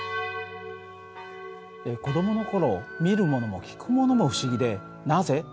子どもの頃見るものも聞くものも不思議で「なぜ？」